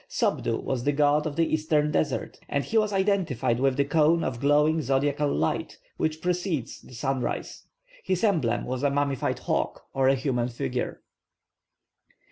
+Sopdu+ was the god of the eastern desert, and he was identified with the cone of glowing zodiacal light which precedes the sunrise. His emblem was a mummified hawk, or a human figure.